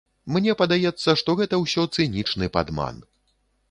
Мне падаецца, што гэта ўсё цынічны падман.